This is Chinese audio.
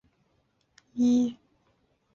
在平面上的正方形格被填上黑色或白色。